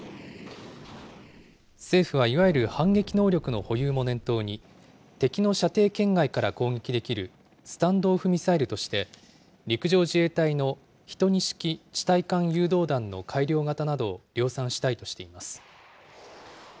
政府はいわゆる反撃能力の保有も念頭に、敵の射程圏外から攻撃できるスタンド・オフ・ミサイルとして、陸上自衛隊の１２式地対艦誘導弾の改良型などを量産したいとしています。